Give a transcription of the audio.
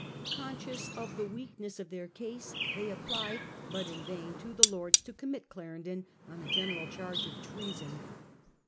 Conscious of the weak ness of their case, they applied, but in vain, to the Lords to commit Clarendon on a general charge of treason.